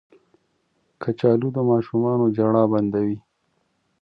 کچالو د ماشومانو ژړا بندوي